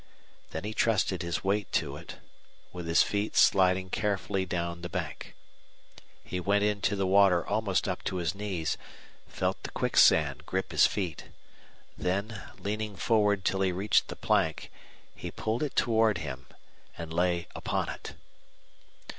Then he trusted his weight to it, with his feet sliding carefully down the bank. He went into the water almost up to his knees, felt the quicksand grip his feet; then, leaning forward till he reached the plank, he pulled it toward him and lay upon it.